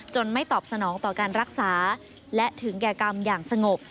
ไม่ตอบสนองต่อการรักษาและถึงแก่กรรมอย่างสงบ